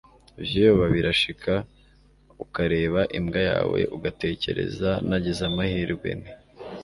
vyoba birashika ukareba imbwa yawe ugatekereza nagize amahirwe nte